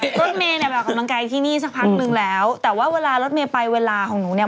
รถมีเนี้ยแบบกำลังไกดิ์ที่อีนี่สักพักนึงแล้วแต่ว่าเวลารถมีไปเวลาของหนูเนี่ย